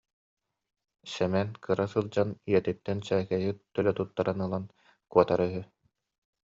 Сэмэн кыра сылдьан ийэтиттэн сээкэйи төлө туттаран ылан куотара үһү